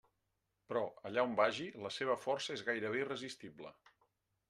Però, allà on vagi, la seva força és gairebé irresistible.